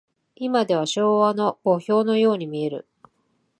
いまでは昭和の墓標のように見える。